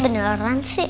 tesnya beneran sih